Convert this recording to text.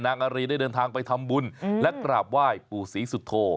อารีได้เดินทางไปทำบุญและกราบไหว้ปู่ศรีสุโธ